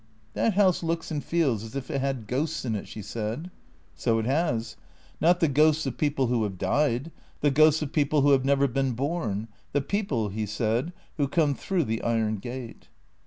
" That house looks and feels as if it had ghosts in it," she said, " So it has. Not the ghosts of people who have died. The ghosts of people who have never been born. The people," he said, " who come through the iron gate."